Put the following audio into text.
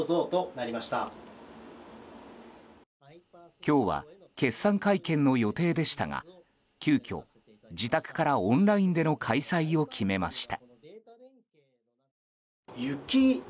今日は決算会見の予定でしたが急きょ自宅からオンラインでの開催を決めました。